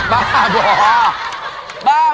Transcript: บ้าบ่้า